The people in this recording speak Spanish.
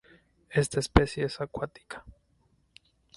Esta especie es acuática.